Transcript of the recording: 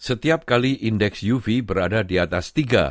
setiap kali indeks uv berada di atas tiga